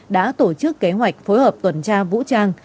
đã tổ chức kế hoạch phối hợp tuần tra vũ trang